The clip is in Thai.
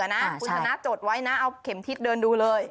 เอาเข็มทิศเดินดูเลย